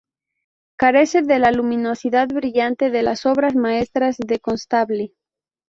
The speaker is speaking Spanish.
Carece de la luminosidad brillante de las obras maestras de Constable.